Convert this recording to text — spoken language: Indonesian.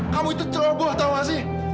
kamu itu teroboh tau nggak sih